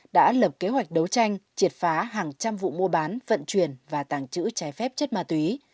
đã lập kế hoạch đấu tranh triệt phá hàng trăm vụ mua bán vận chuyển và tàng trữ trái phép chất ma túy